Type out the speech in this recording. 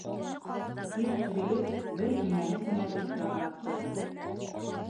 Ир кирелеп, бер кинәнес менән өҫкә ҡарап торҙо.